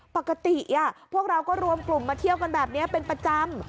ปกติพวกเราก็รวมกลุ่มมาเที่ยวกันแบบนี้เป็นประจำ